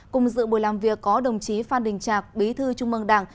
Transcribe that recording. cùng dự buổi làm việc có đồng chí phan đình trạc bí thư trung mương đảng